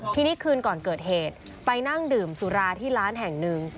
ทีนี้คืนก่อนเกิดเหตุไปนั่งดื่มสุราที่ร้านแห่งหนึ่ง